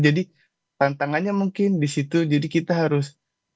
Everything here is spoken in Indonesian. jadi tantangannya mungkin di situ jadi kita harus